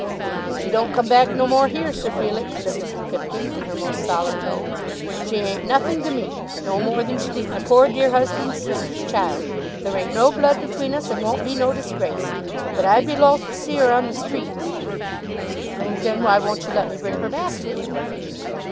"She don't come back no more here, Sir Felix," said Mrs. Pipkin, in her most solemn tones. "She ain't nothing to me, no more than she was my poor dear husband's sister's child. There ain't no blood between us, and won't be no disgrace. But I'd be loth to see her on the streets." "Then why won't you let me bring her back again?"